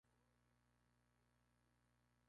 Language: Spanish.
Es la más cotizada actualmente.